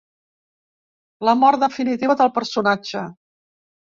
La mort definitiva del personatge.